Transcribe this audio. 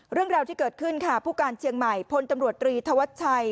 เรื่องราวที่เกิดขึ้นค่ะผู้การเชียงใหม่พลตำรวจตรีธวัชชัย